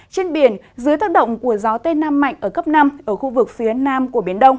trên biển dưới tác động của gió tây nam mạnh ở cấp năm ở khu vực phía nam của biển đông